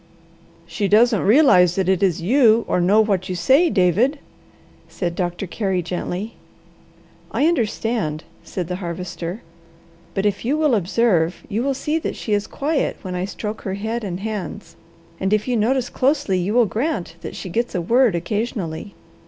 "She doesn't realize that it is you or know what you say, David," said Doctor Carey gently. "I understand," said the Harvester. "But if you will observe, you will see that she is quiet when I stroke her head and hands, and if you notice closely you will grant that she gets a word occasionally.